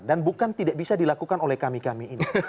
dan bukan tidak bisa dilakukan oleh kami kami ini